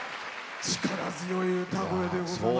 力強い歌声で。